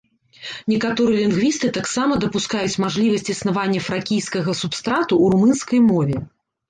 Некаторыя лінгвісты таксама дапускаюць мажлівасць існавання фракійскага субстрату ў румынскай мове.